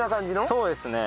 そうですね。